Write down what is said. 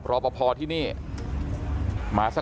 แต่ว่าวินนิสัยดุเสียงดังอะไรเป็นเรื่องปกติอยู่แล้วครับ